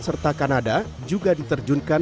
serta kanada juga diterjun ke